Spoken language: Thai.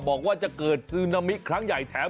บอกว่าจะเกิดซึนามิครั้งใหญ่แถม